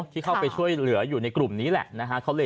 ที่เข้าไปช่วยเหลืออยู่ในกลุ่มนี้แหละนะฮะ